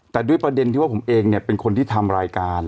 แต่ด้วยประเด็นที่ว่าผมเองเนี่ยเป็นคนที่ทำรายการ